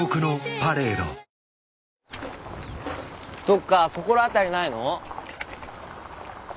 どっか心当たりないの？